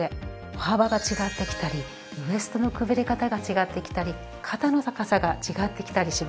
歩幅が違ってきたりウエストのくびれ方が違ってきたり肩の高さが違ってきたりします。